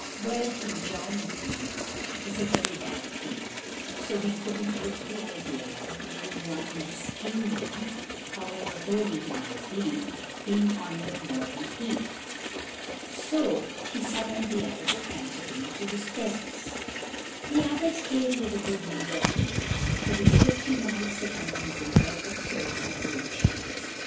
Well, King John, as you know, was a very bad king, and he couldn't brook the idea of any one in his kingdom, however holy he might be, being honoured more than he. So he summoned the Abbot of Canterbury to his presence. The Abbot came with a goodly retinue, with his fifty knights at arms in velvet cloaks and gold chains.